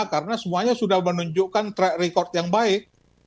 karena semuanya sudah menunjukkan track record yang baik